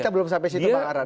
kita belum sampai situ pak arad